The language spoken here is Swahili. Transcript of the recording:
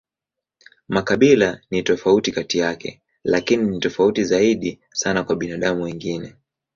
Makabila ni tofauti kati yake, lakini ni tofauti zaidi sana na binadamu wengine.